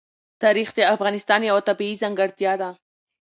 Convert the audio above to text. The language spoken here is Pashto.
تاریخ د افغانستان یوه طبیعي ځانګړتیا ده.